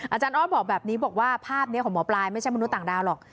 อาจารย์ออสบอกแบบนี้บอกว่าภาพนี้ของหมอปลายไม่ใช่มนุษย์ต่างดาวหรอก